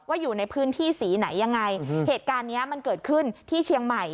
อยู่ในพื้นที่สีไหนยังไงเหตุการณ์เนี้ยมันเกิดขึ้นที่เชียงใหม่